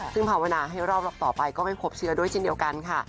ซึ่งภาวนาให้รอบต่อไปก็ไม่พบเชื้อด้วยเช่นเดียวกันค่ะ